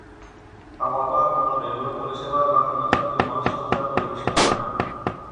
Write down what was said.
কাওয়াবা কোনও রেলওয়ে পরিষেবা বা কোনও জাতীয় মহাসড়ক দ্বারা পরিবেশিত হয় না।